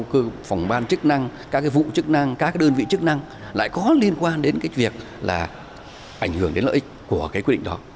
cơ phòng ban chức năng các cái vụ chức năng các đơn vị chức năng lại có liên quan đến cái việc là ảnh hưởng đến lợi ích của cái quy định đó